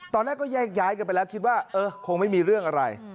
ตอนแรกก็แยกย้ายกันไปแล้วคิดว่าเออคงไม่มีเรื่องอะไร